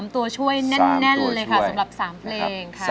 ตัวช่วยแน่นเลยค่ะสำหรับ๓เพลงค่ะ